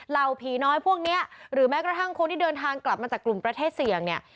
เห่าผีน้อยพวกนี้หรือแม้กระทั่งคนที่เดินทางกลับมาจากกลุ่มประเทศเสี่ยงเนี่ย